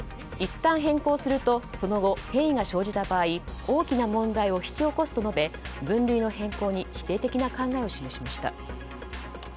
いったん変更するとその後、変異が生じた場合大きな問題を引き起こすと述べ分類の変更に否定的な考えを示しました。